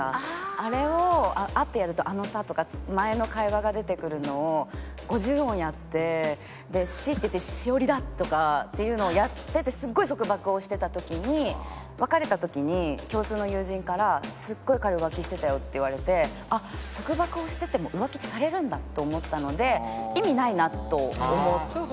あれを「あ」ってやると「あのさ」とか前の会話が出てくるのを５０音やって「し」っていって「しおり」だとかっていうのをやっててすごい束縛をしてた時に別れた時に共通の友人から「すごい彼浮気してたよ」って言われてあっ束縛をしてても浮気ってされるんだと思ったので意味ないなと思って。